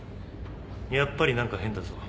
やっぱり何か変だぞ。